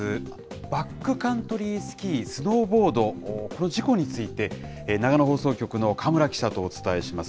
バックカントリースキー、スノーボード、この事故について、長野放送局の川村記者とお伝えします。